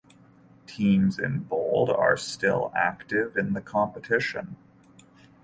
Teams in bold are still active in the competition.